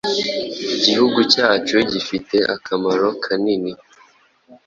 Gihugu cyacu gifite akamaro kanini.